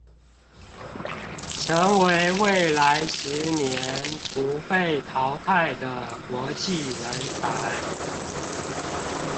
成為未來十年不被淘汰的國際人才